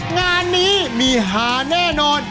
งานนี้มีหาแน่นอน